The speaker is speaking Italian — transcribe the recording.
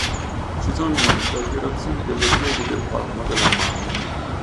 Ci sono inoltre alterazioni delle pieghe del palmo della mano.